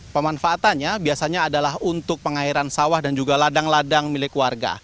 pemanfaatannya biasanya adalah untuk pengairan sawah dan juga ladang ladang milik warga